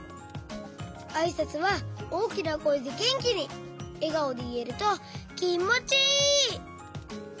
あいさつはおおきなこえでげんきにえがおでいえるときもちいい！